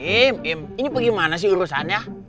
im im ini bagaimana sih urusannya